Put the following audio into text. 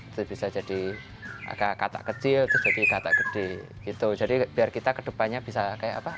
terpisah jadi agak kata kecil kecari kata gede gitu jadi biar kita kedepannya bisa kayak apa